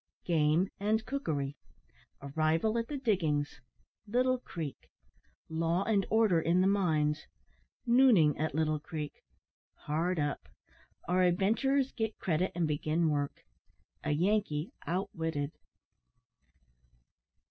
GAME AND COOKERY ARRIVAL AT THE DIGGINGS LITTLE CREEK LAW AND ORDER IN THE MINES NOONING AT LITTLE CREEK HARD UP OUR ADVENTURERS GET CREDIT AND BEGIN WORK A YANKEE OUTWITTED.